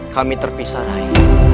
kami terpisah rai